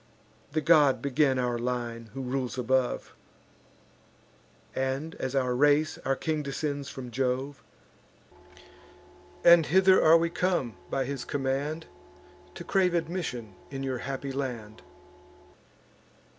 The god began our line, who rules above; And, as our race, our king descends from Jove: And hither are we come, by his command, To crave admission in your happy land.